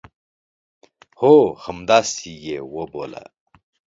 هو، همداسي یې وبوله